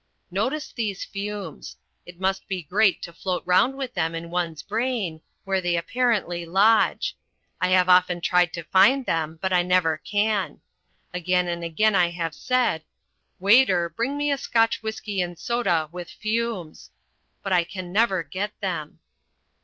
Notice these "fumes." It must be great to float round with them in one's brain, where they apparently lodge. I have often tried to find them, but I never can. Again and again I have said, "Waiter, bring me a Scotch whisky and soda with fumes." But I can never get them.